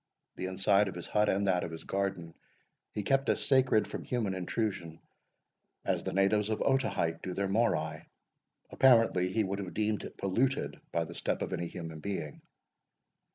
The inside of his hut, and that of his garden, he kept as sacred from human intrusion as the natives of Otaheite do their Morai; apparently he would have deemed it polluted by the step of any human being.